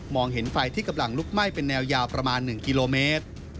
เห็นไฟที่กำลังลุกไหม้เป็นแนวยาวประมาณ๑กิโลเมตร